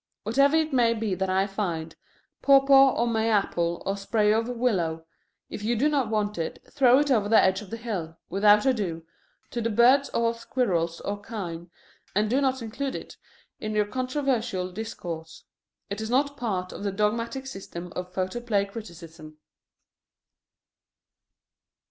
Whatever it may be that I find, pawpaw or may apple or spray of willow, if you do not want it, throw it over the edge of the hill, without ado, to the birds or squirrels or kine, and do not include it in your controversial discourse. It is not a part of the dogmatic system of photoplay criticism.